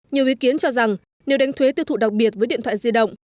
nhiều ý kiến cho rằng nếu đánh thuế tiêu thụ đặc biệt với điện thoại di động